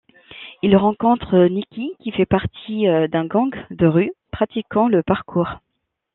Il rencontre Nikki, qui fait partie d’un gang de rues pratiquant le parkour.